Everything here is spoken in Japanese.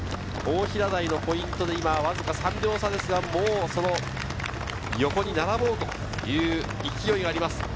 大平台のポイントでわずか３秒差ですが、横に並ぼうという勢いがあります。